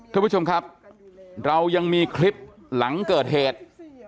ท่านผู้ชมครับเรายังมีคลิปหลังเกิดเหตุ